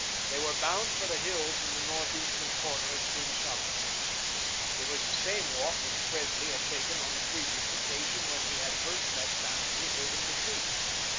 They were bound for the hills in the northeastern corner of Quien Sabe. It was the same walk which Presley had taken on the previous occasion when he had first met Vanamee herding the sheep.